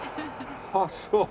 ああそう。